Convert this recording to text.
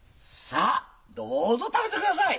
さどうぞ食べて下さい。